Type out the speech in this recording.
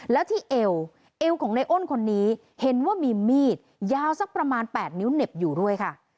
แล้วที่เอวเอวของในอ้นคนนี้เห็นว่ามีมีดยาวสักประมาณ๘นิ้วเหน็บอยู่ด้วยค่ะ